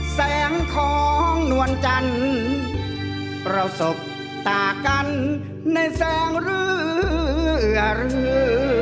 แสงของนวลจันทร์ประสบต่างกันในแสงเรือรือ